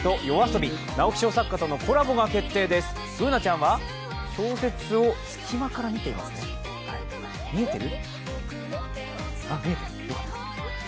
Ｂｏｏｎａちゃんは、小説を隙間から見ていますね、見えてる？